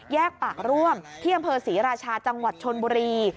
ปากร่วมที่อำเภอศรีราชาจังหวัดชนบุรี